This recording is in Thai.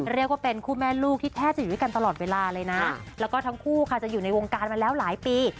เรียกว่าเป็นคู่แม่ลูกที่แทบจะอยู่ด้วยกันตลอดเวลาเลยนะแล้วก็ทั้งคู่ค่ะจะอยู่ในวงการมาแล้วหลายปี